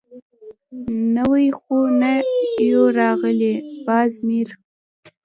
_نوي خو نه يو راغلي، باز مير.